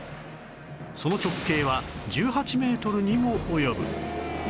その直径は１８メートルにも及ぶ